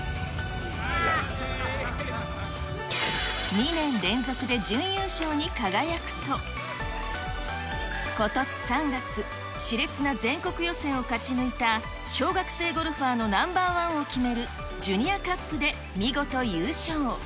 ２年連続で準優勝に輝くと、ことし３月、しれつな全国予選を勝ち抜いた小学生ゴルファーのＮｏ．１を決める、ジュニアカップで見事優勝。